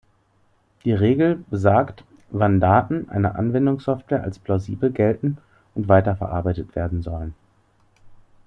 Die Regel besagt, wann Daten einer Anwendungssoftware als plausibel gelten und weiterverarbeitet werden sollen.